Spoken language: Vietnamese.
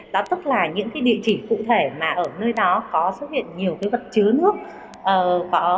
đó tức là những địa chỉ cụ thể mà ở nơi đó có xuất hiện nhiều vật chứa nước